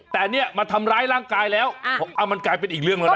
แต่เนี่ยมาทำร้ายร่างกายแล้วมันกลายเป็นอีกเรื่องแล้วนะ